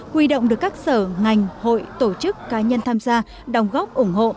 huy động được các sở ngành hội tổ chức cá nhân tham gia đồng góp ủng hộ